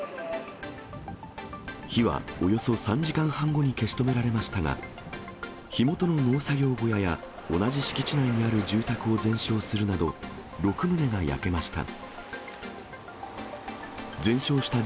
火はおよそ３時間半後に消し止められましたが、火元の農作業小屋や、同じ敷地内にある住宅を全焼するなど、６棟が焼けました。